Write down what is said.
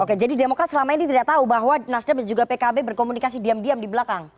oke jadi demokrat selama ini tidak tahu bahwa nasdem dan juga pkb berkomunikasi diam diam di belakang